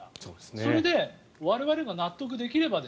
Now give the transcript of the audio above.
それで我々が納得できれば。